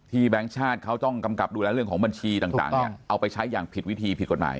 แบงค์ชาติเขาต้องกำกับดูแลเรื่องของบัญชีต่างเนี่ยเอาไปใช้อย่างผิดวิธีผิดกฎหมาย